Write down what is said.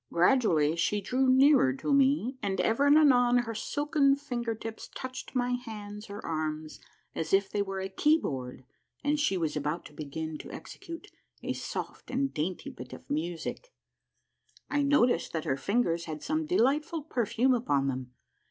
Gradually she drew nearer to me, and ever and anon her silken finger tips touched my hands or arms as if they were a keyboard and she was about to begin to execute a soft and dainty bit of music ; and I noticed that her fingers had some delightful perfume upon them.